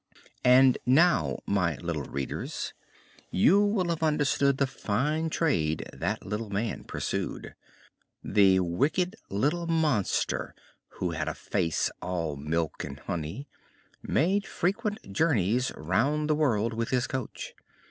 And now, my little readers, you will have understood the fine trade that little man pursued. The wicked little monster, who had a face all milk and honey, made frequent journeys round the world with his coach.